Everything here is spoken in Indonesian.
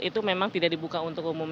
itu memang tidak dibuka untuk umum